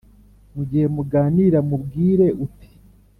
mugihe muganira, mubwire uti: